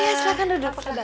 ya silakan duduk